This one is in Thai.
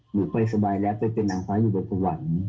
หนูไปสบายแล้วไปเป็นนางฟ้าอยู่ในกระหว่างนี้